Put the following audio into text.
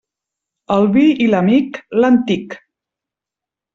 El vi i l'amic, l'antic.